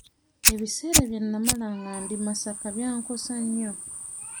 Ebiseera bye nnamala nga ndi Masaka byankosa nnyo.